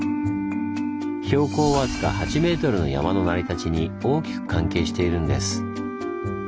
標高わずか８ｍの山の成り立ちに大きく関係しているんです。